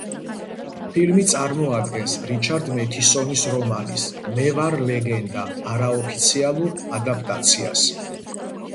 ფილმი წარმოადგენს რიჩარდ მეთისონის რომანის, „მე ვარ ლეგენდა“ არაოფიციალურ ადაპტაციას.